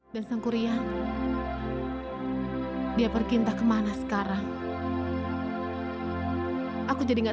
sampai jumpa di video selanjutnya